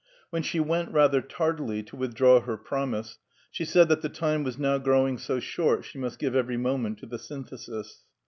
When she went, rather tardily, to withdraw her promise, she said that the time was now growing so short she must give every moment to the Synthesis.